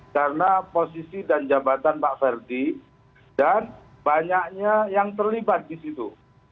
karena posisi dan jabatan pak verdi dan banyaknya yang terlibat di situ